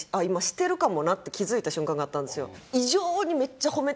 今してるかもなって気付いた瞬間があったんですよ。